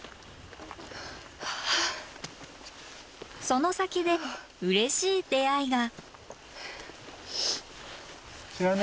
その先でうれしい出会いが。